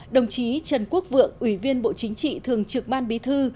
đồng chí trần quốc vượng ủy viên bộ chính trị thường trực ban bí thư